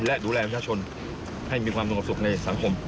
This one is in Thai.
และดูแลประชาชนให้มีความสงบสุขในสังคม